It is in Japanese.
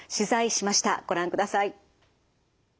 ご覧ください。